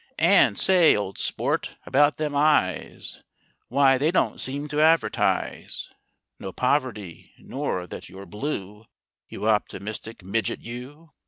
And, say, old sport, about them eyes: Wye, they don't seem to advertise No poverty, nor that you're blue, You optimistic midget you!